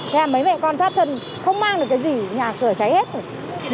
thế là mấy mẹ con thoát thân không mang được cái gì nhà cửa cháy hết được